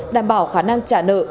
đảm bảo khả năng trả nợ